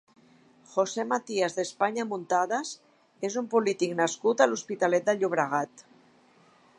Jose Matias de España Muntadas és un polític nascut a l'Hospitalet de Llobregat.